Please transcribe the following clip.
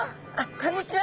こんにちは。